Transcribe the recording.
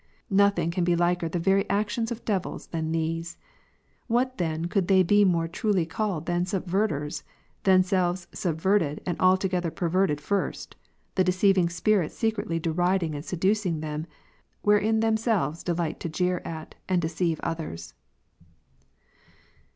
Nothing can be liker the very actions of devils than these. What then could they be more truly called than " subverters ?" themselves subverted and alto gether perverted first, the deceiving spirits secretly deriding and seducing them, wherein themselves delight to jeer at, and deceive others.